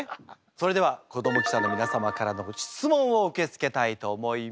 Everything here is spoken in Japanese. それでは子ども記者の皆様からの質問を受け付けたいと思います。